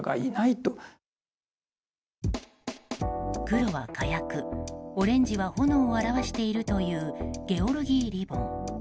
黒は火薬オレンジは炎を表しているというゲオルギーリボン。